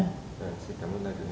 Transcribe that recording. xin cảm ơn lại truyền hình